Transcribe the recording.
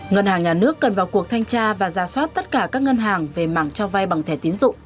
ngân hàng nhà nước cần vào cuộc thanh tra và ra soát tất cả các ngân hàng về mảng cho vay bằng thẻ tiến dụng